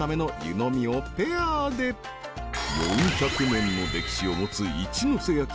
［４００年の歴史を持つ一の瀬焼。